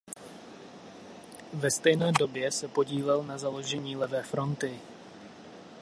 Ve stejné době se podílel na založení Levé fronty.